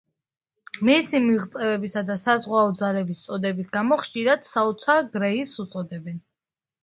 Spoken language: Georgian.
მისი მიღწევებისა და საზღვაო ძალების წოდების გამო, ხშირად „საოცარ გრეისს“ უწოდებენ.